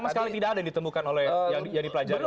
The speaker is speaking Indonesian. sama sekali tidak ada yang ditemukan oleh yang dipelajari